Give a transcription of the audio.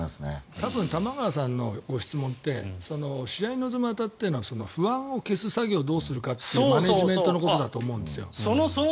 多分玉川さんの質問って試合に当たっての不安を消す作業をどうするかってマネジメントのことだと思うんです。